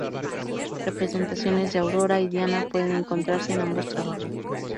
Representaciones de Aurora y Diana pueden encontrarse en ambos trabajos.